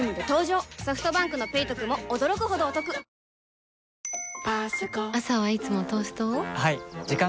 ソフトバンクの「ペイトク」も驚くほどおトク「キュキュット」